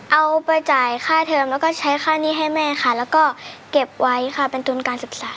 เอาไปจ่ายค่าเทอมแล้วก็ใช้ค่าหนี้ให้แม่ค่ะแล้วก็เก็บไว้ค่ะเป็นทุนการศึกษา